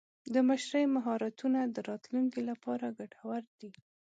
د مشرۍ مهارتونه د راتلونکي لپاره ګټور دي.